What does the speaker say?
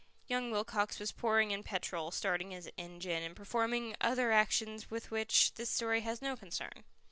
Young Wilcox was pouring in petrol, starting his engine, and performing other actions with which this story has no concern.